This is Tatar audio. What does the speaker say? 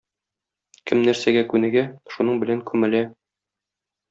Кем нәрсәгә күнегә — шуның белән күмелә.